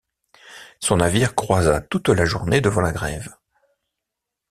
Son navire croisa toute la journée devant la grève.